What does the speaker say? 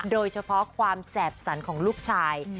โดยเฉพาะความแสบสันของลูกชาย